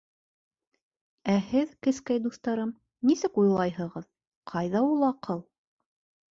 Ә һеҙ, кескәй дуҫтарым, нисек уйлайһығыҙ, ҡайҙа ул аҡыл?